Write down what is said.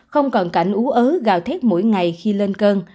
không còn cảnh ú ớ gào thét mỗi ngày khi lên cơn